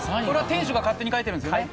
店主が勝手に書いてるんですよね。